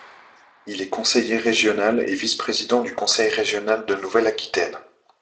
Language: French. Il est Conseiller régional et vice-président du Conseil régional de Nouvelle-Aquitaine.